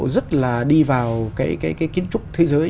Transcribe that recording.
rất là đi vào cái kiến trúc thế giới